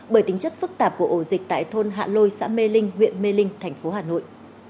bởi tính chất phức tạp của ổ dịch tại thôn hạ lôi xã mê linh huyện mê linh thành phố hà nội